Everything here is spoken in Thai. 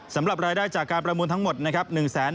สำหรับรายได้จากการประมูลทั้งหมดนะครับ